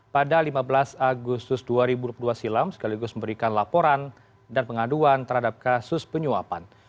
pada lima belas agustus dua ribu dua puluh dua silam sekaligus memberikan laporan dan pengaduan terhadap kasus penyuapan